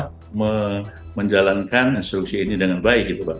dan menjalankan instruksi ini dengan baik